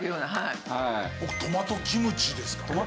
僕トマトキムチですかね。